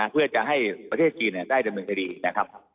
เพื่อจะให้ประเทศจีนได้ดำเนินคดีนะครับ